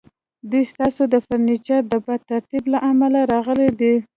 دوی ستاسو د فرنیچر د بد ترتیب له امله راغلي دي